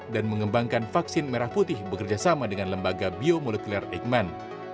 dan mengembangkan vaksin merah putih bekerja sama dengan lembaga biomolekuler eijkman